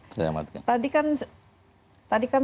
selamat tadi kan